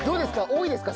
多いですか？